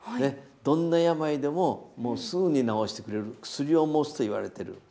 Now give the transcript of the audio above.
どんな病でもすぐに治してくれる薬を持つといわれてる。